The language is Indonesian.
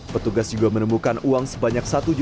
petugas juga menemukan uang sebanyak satu sembilan juta rupiah